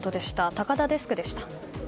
高田デスクでした。